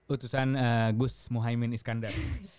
utusan gus muhaymin iskandar